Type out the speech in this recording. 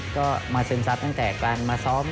ก็มาเสริมทรัพย์ตั้งแต่การมาซ้อม